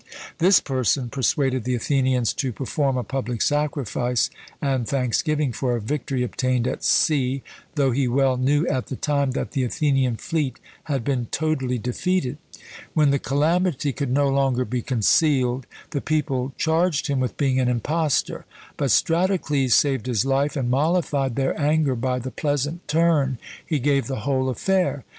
This person persuaded the Athenians to perform a public sacrifice and thanksgiving for a victory obtained at sea, though he well knew at the time that the Athenian fleet had been totally defeated. When the calamity could no longer be concealed, the people charged him with being an impostor: but Stratocles saved his life and mollified their anger by the pleasant turn he gave the whole affair.